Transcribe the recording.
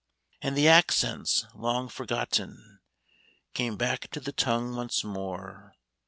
" And the accents, long forgotten, Came back to the tongue once more.